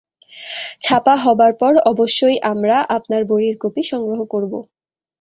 ছাপা হবার পর অবশ্যই আমরা আপনার বইয়ের কপি সংগ্রহ করব।